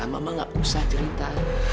mama nggak usah cerita